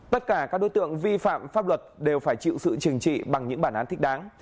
tất cả các đối tượng vi phạm pháp luật đều phải chịu sự trừng trị bằng những bản án thích đáng